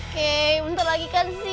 bentar lagi kan si